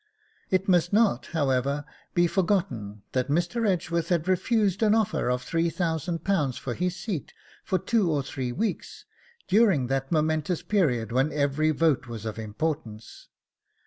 It must not, however, be forgotten that Mr. Edgeworth had refused an offer of £3000 for his seat for two or three weeks, during that momentous period when every vote was of importance.